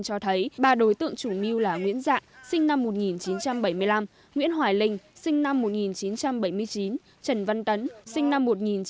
cho thấy ba đối tượng chủ mưu là nguyễn dạ sinh năm một nghìn chín trăm bảy mươi năm nguyễn hoài linh sinh năm một nghìn chín trăm bảy mươi chín trần văn tấn sinh năm một nghìn chín trăm tám mươi